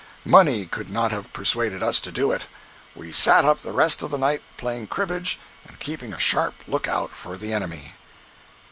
Money could not have persuaded us to do it. We sat up the rest of the night playing cribbage and keeping a sharp lookout for the enemy.